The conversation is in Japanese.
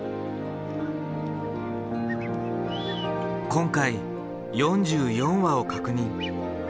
今回４４羽を確認。